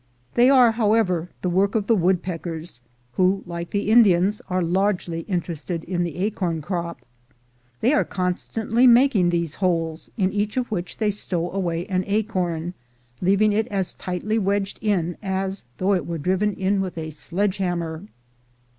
They are, however, the work of the woodpeckers, who, like the Indians, are largely interested in the acorn crop. They are constantly making these holes, in each of which they stow away an acorn, leaving it as tightly wedged in as though it were driven in with a sledge hammer.